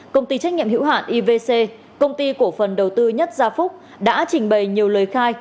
công ty trách nhiệm hữu hạn ivc công ty cổ phần đầu tư nhất gia phúc đã trình bày nhiều lời khai